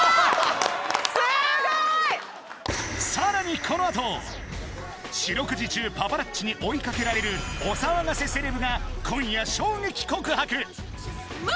さらにこのあと四六時中パパラッチに追いかけられるお騒がせセレブが今夜衝撃告白！